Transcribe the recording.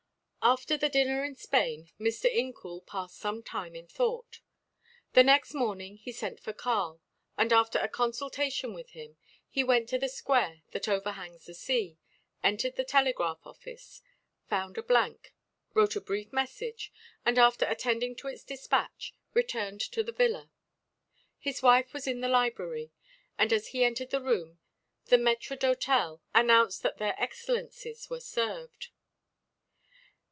After the dinner in Spain, Mr. Incoul passed some time in thought. The next morning he sent for Karl, and after a consultation with him, he went to the square that overhangs the sea, entered the telegraph office, found a blank, wrote a brief message, and after attending to its despatch, returned to the villa. His wife was in the library, and as he entered the room the maître d'hôtel announced that their excellencies were served.